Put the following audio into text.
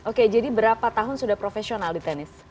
oke jadi berapa tahun sudah profesional di tenis